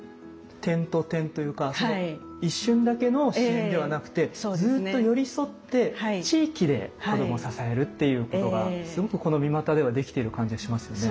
点と点というかその一瞬だけの支援ではなくてずっと寄り添って地域で子どもを支えるっていうことがすごくこの三股ではできてる感じがしますよね。